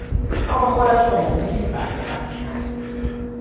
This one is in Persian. نام خودش را با میخ بر درخت کند.